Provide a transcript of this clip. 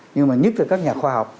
nhưng mà nhất là các nhà khoa học